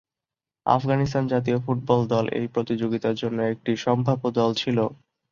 আফগানিস্তান জাতীয় ফুটবল দল এই প্রতিযোগিতার জন্য একটি সম্ভাব্য দল ছিল।